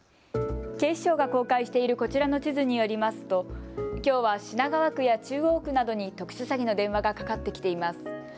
警視庁が公開しているこちらの地図によりますときょうは品川区や中央区などに特殊詐欺の電話がかかってきています。